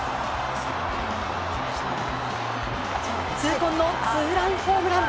痛恨のツーランホームラン。